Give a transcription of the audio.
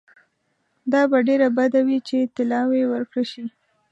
دا به ډېره بده وي چې طلاوي ورکړه شي.